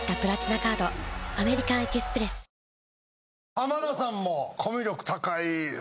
浜田さんも。